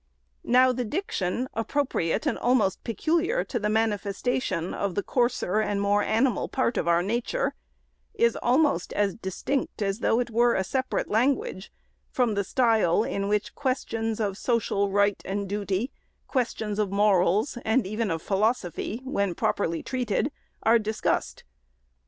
Now the diction, appropriate and almost peculiar to the manifestations of the coarser and more animal part of our nature, is almost as distinct as though it were a separate language from the style in which questions of social right and duty, questions of morals, and even of philosophy, when popularly treated, are discussed.